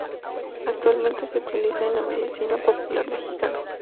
Actualmente se utiliza en la medicina popular mexicana.